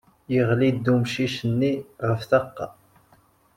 Yeɣli-d wemcic-nni ɣef ṭṭaq.